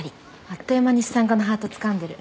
あっという間に資産家のハートつかんでる。